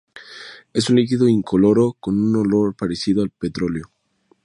Es un líquido incoloro con un olor parecido al petróleo.